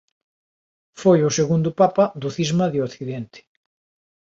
Foi o segundo Papa do Cisma de Occidente.